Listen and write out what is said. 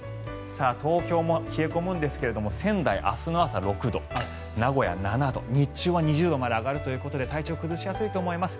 東京も冷え込むんですが仙台、明日の朝６度名古屋、７度日中は２０度まで上がるということで体調、崩しやすいと思います。